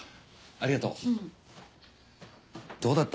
ありがとう。